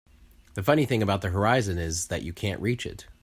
The funny thing about the horizon is that you can't reach it.